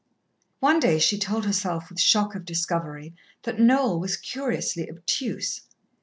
One day she told herself, with shock of discovery, that Noel was curiously obtuse.